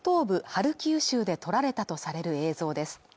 ハルキウ州で撮られたとされる映像です